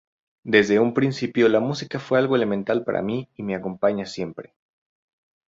Desde un principio la música fue algo elemental para mí y me acompaña siempre.